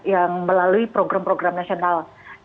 yang melalui program program nasional